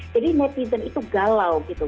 jadi netizen itu galau gitu